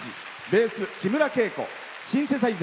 ベース、木村圭子。